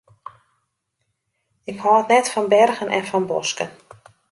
Ik hâld net fan bergen en fan bosken.